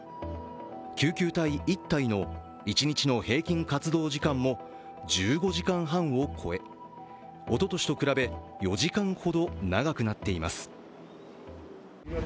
救急隊１隊の一日の平均活動時間も１５時間半を超えおととしと比べ４時間ほど長くなっています。